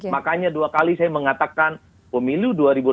makanya dua kali saya mengatakan pemilu dua ribu dua puluh